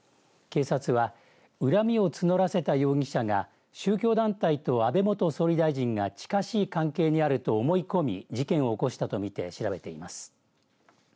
警察は恨みを募らせた容疑者が宗教団体と安倍元総理大臣が近しい関係にあると思い込み事件を起こしたと見て調べています。